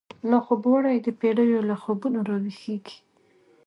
لاخوب وړی دپیړیو، له خوبونو راویښیږی